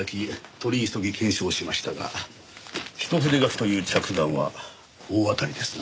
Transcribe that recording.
取り急ぎ検証しましたが一筆書きという着眼は大当たりですな。